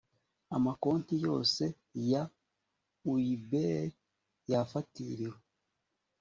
amakonti yose ya uebr yafatiriwe